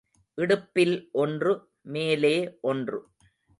இடுப்பில் ஒன்று, மேலே ஒன்று.